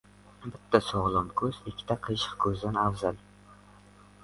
• Bitta sog‘lom ko‘z ikkita qiyshiq ko‘zdan afzal.